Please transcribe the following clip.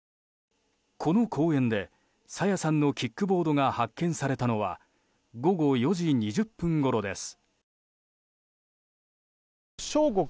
この公園で、朝芽さんのキックボードが発見されたのは午後４時２０分ごろです。